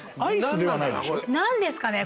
何ですかね？